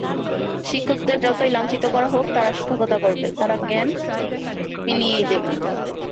শিক্ষকদের যতই লাঞ্ছিত করা হোক, তাঁরা শিক্ষকতা করবেন, তাঁরা জ্ঞান বিলিয়েই দেবেন।